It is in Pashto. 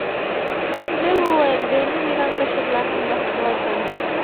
ده وویل، د نوي رنګ کشف لا هم بحثوړ دی.